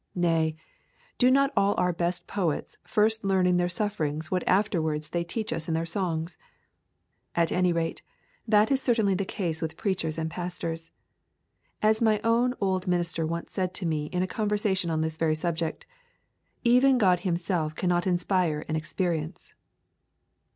Nay, do not all our best poets first learn in their sufferings what afterwards they teach us in their songs? At any rate, that is certainly the case with preachers and pastors. As my own old minister once said to me in a conversation on this very subject, 'Even God Himself cannot inspire an experience.'